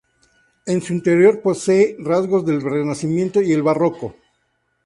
En su interior posee rasgos del Renacimiento y el Barroco.